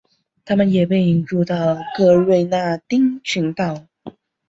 它们也被引入到格瑞纳丁群岛。